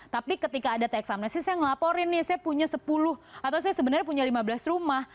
tapi ketika ada teks amnesti saya ngelaporin nih saya punya sepuluh atau saya sebenarnya punya lima belas rumah